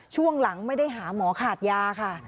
ช่วงหลังไม่ได้หาหมอขาดยาค่ะ